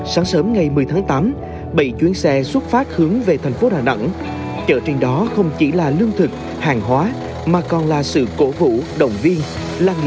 sáng sớm ngày một mươi tháng tám bảy chuyến xe xuất phát hướng về thành phố đà nẵng chợ trên đó không chỉ là lương thực hàng hóa mà còn là sự cổ vũ động viên